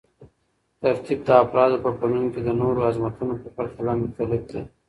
ترتیب د افرادو په فنون کې د نورو عظمتونو په پرتله مختلف دی.